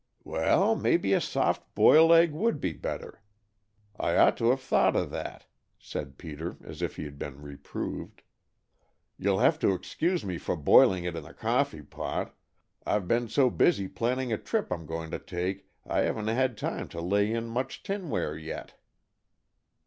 "Well, maybe a soft boiled egg would be better. I ought to have thought of that," said Peter as if he had been reproved. "You'll have to excuse me for boiling it in the coffee pot, I've been so busy planning a trip I'm going to take I haven't had time to lay in much tinware yet."